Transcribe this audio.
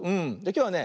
きょうはね